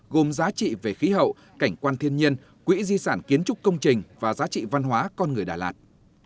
gồm giá trị về khí hậu cảnh quan thiên nhiên quỹ di sản kiến trúc công trình và giá trị văn hóa con người đà lạt